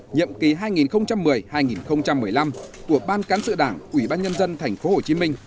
nhiệm kỳ hai nghìn một mươi hai nghìn một mươi năm của ban cán sự đảng ủy ban nhân dân thành phố hồ chí minh